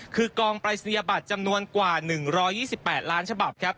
คือกองปรายศนียบัตรจำนวนกว่า๑๒๘ล้านฉบับครับ